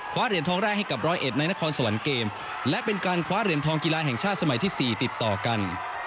เหรียญทองแรกให้กับร้อยเอ็ดในนครสวรรค์เกมและเป็นการคว้าเหรียญทองกีฬาแห่งชาติสมัยที่๔ติดต่อกัน